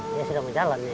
dia sudah mau jalan nih